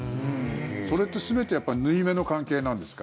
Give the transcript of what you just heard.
それって全てやっぱり縫い目の関係なんですか？